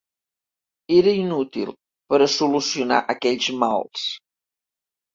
Era inútil per a solucionar aquells mals.